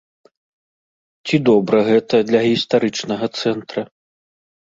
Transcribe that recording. Ці добра гэта для гістарычнага цэнтра?